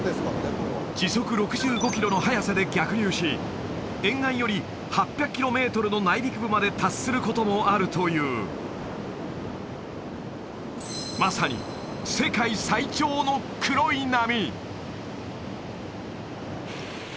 これは時速６５キロの速さで逆流し沿岸より８００キロメートルの内陸部まで達することもあるというまさに世界最長の黒い波！